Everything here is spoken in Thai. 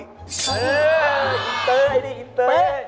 อินเตอร์ไอ้ดิอินเตอร์